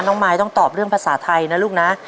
มายต้องตอบเรื่องภาษาไทยนะลูกนะ